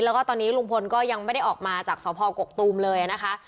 แล้วก็ตอนนี้ลุงพลก็ยังไม่ได้ออกมาจากสพกกตูมเลยนะคะ